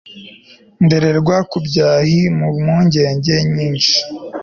ndererwa ku byahi, mu mpungenge nyinshi